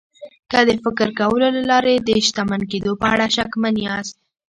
که د فکر کولو له لارې د شتمن کېدو په اړه شکمن ياست.